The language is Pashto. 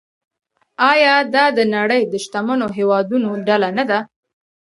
آیا دا د نړۍ د شتمنو هیوادونو ډله نه ده؟